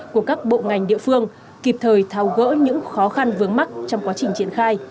của các bộ ngành địa phương kịp thời thao gỡ những khó khăn vướng mắt trong quá trình triển khai